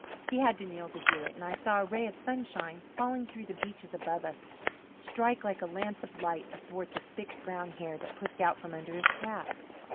He had to kneel to do it, and I saw a ray of sunshine falling through the beeches above us strike like a lance of light athwart the thick brown hair that pushed out from under his cap.